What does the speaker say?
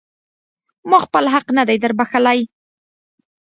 ما خپل حق نه دی در بښلی.